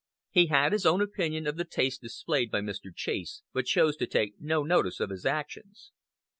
He had his own opinion of the taste displayed by Mr. Chase, but chose to take no notice of his actions.